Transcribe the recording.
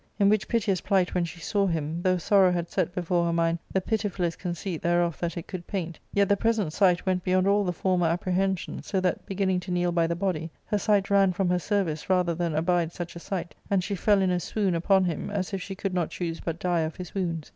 In which piteous plight when she saw him, though sorrow had set before her mind the pitifuUest conceit thereof that it could paint, yet the present sight went beyond all the former apprehensions, so that beginning to kneel by the body, her sight ran from her service rather than abide such a sight, and she fell in a s wound upon him, as if she could not choose but die of his wounds.